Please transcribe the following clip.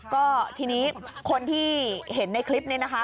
ก็ทีนี้คนที่เห็นในคลิปนี้นะคะ